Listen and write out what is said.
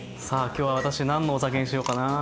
さあ今日は私何のお酒にしようかな。